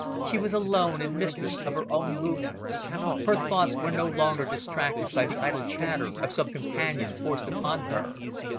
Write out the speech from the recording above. She was alone and mistress of her own movements. Her thoughts were no longer distracted by the idle chatter of some companion forced upon her.